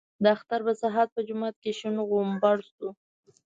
د اختر په سهار په جومات کې شین غومبر جوړ شو.